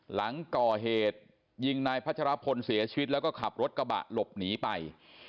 หลังก่อเหตุยิงนายพัชรพลเสียชีวิตแล้วก็ขับรถกระบะหลบหนีไป